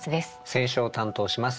選書を担当します